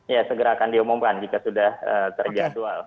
ya segera akan diumumkan jika sudah terjadwal